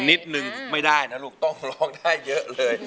นิดนึงไม่ได้นะลูกต้องร้องได้เยอะเลย